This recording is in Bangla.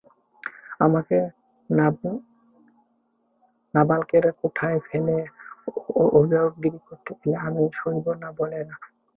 আমাকে নাবালকের কোঠায় ফেলে অভিভাবকগিরি করতে এলে আমি সইব না বলে রাখছি।